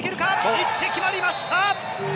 行って、決まりました！